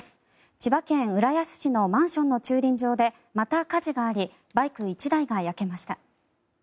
千葉県浦安市のマンションの駐輪場でまた火事がありバイク１台が焼けました。